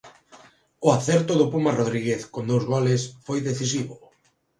O acerto do Puma Rodríguez, con dous goles, foi decisivo.